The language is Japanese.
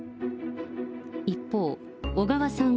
一方、小川さん